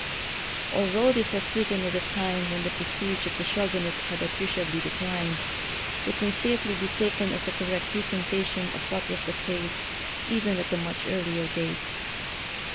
Although this was written at a time when the prestige of the Shogunate had appreciably declined, it may safely be taken as a correct pre sentation of what was the case even at a much earlier date.